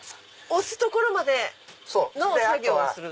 押すところまでの作業をする。